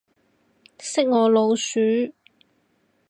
識我老鼠